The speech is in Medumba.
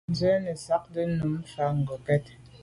Nzwe nesagte num mfà ngokèt.